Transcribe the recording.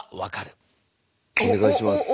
お願いします。